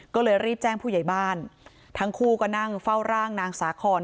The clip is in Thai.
ก็เลยรีบแจ้งผู้ใหญ่บ้านทั้งคู่ก็นั่งเฝ้าร่างนางสาคอน